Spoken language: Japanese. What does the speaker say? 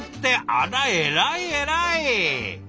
あら偉い偉い。